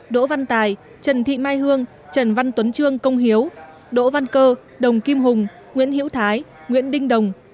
đỗ văn tài trần thị mai hương trần văn tuấn trương công hiếu đỗ văn cơ đồng kim hùng nguyễn hiễu thái nguyễn đinh đồng